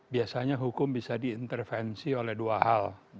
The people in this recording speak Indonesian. biasanya hukum bisa diintervensi oleh dua hal